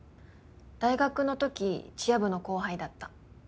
大学の時チア部の後輩だった。